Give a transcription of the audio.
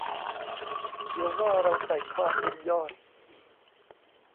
เดี๋ยวว่าเราใส่ความ บุญยอด